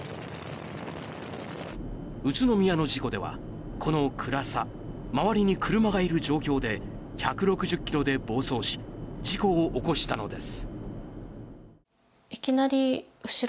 宇都宮の事故では、この暗さ周りに車がいる状況で１６０キロで暴走し事故を起こしたのです。